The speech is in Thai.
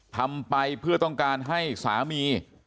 ทำไปเพื่อต้องการให้สามี